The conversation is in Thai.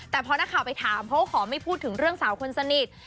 แต่พอนักข่าวไปถามเขาขอไม่พูดถึงเรื่องสาวคนสนิท